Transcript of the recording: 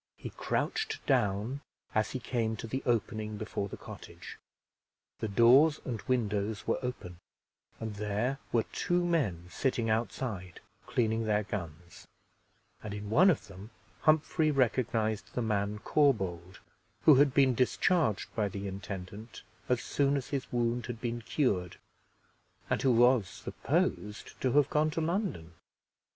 He crouched down as he came to the opening before the cottage. The doors and windows were open, and there were two men sitting outside, cleaning their guns; and in one of them Humphrey recognized the man Corbould, who had been discharged by the intendant as soon as his wound had been cured, and who was supposed to have gone to London.